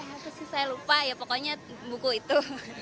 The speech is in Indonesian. apa sih saya lupa ya pokoknya buku itu